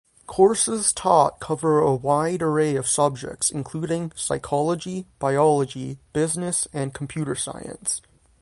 Courses taught cover a wide-array of subjects including psychology, biology, business, and computer science.